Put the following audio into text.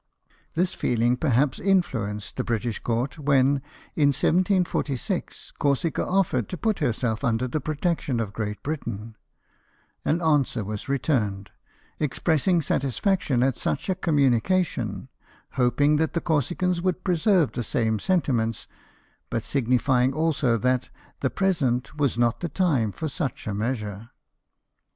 This feeling, perhaps, influenced the British Court when, in 1746, Corsica offered to put herself under the protection of Great Britain: an answer was returned, expressing satisfaction at such a communi cation, hoping that the Corsicans would preserve the same sentiments, but signifying also that the present was not the time for such a measure.